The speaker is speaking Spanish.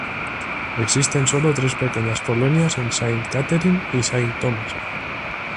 Existen solo tres pequeñas colonias en Saint Catherine y Saint Thomas.